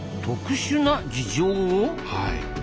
はい。